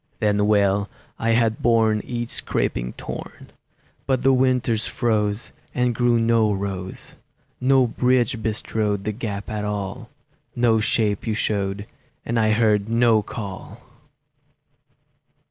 Then well I had borne Each scraping thorn; But the winters froze, And grew no rose; No bridge bestrode The gap at all; No shape you showed, And I heard no call!